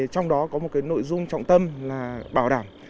trong đó có một nội dung trọng tâm là bảo đảm